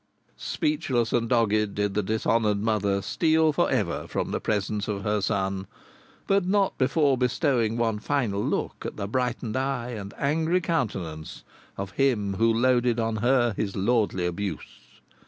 Speechless and dogged did the dishonoured mother steal for ever from the presence of her son, but not before bestowing one final look at the brightened eye and angry countenance of him who loaded on her his lordly abuse.